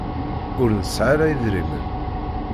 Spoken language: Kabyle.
Ur nesɛa ara idrimen.